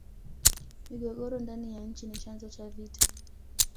migogoro ndani ya nchi ni chanzo cha vita